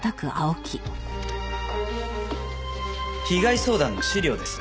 被害相談の資料です。